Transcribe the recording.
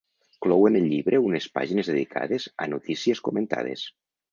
Clouen el llibre unes pàgines dedicades a “notícies comentades”.